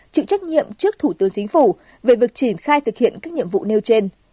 chịu trách nhiệm trước thủ tướng chính phủ về việc triển khai thực hiện các nhiệm vụ nêu trên